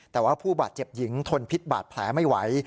แต่ว่าผู้บาดเจ็บหญิงทนพิษบาดแผลไม่ไหว